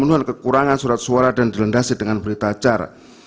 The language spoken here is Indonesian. pembunuhan kekurangan surat suara dan dilendasi dengan berita acara